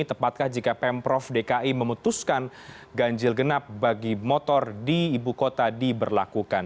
tepatkah jika pemprov dki memutuskan ganjil genap bagi motor di ibu kota diberlakukan